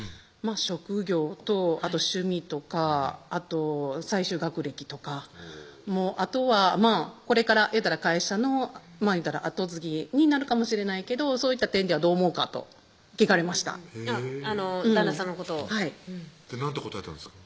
職業とあと趣味とかあと最終学歴とかもうあとは「これから会社の跡継ぎになるかもしれないけどそういった点ではどう思うか」と聞かれました旦那さんのことをはい何て答えたんですか？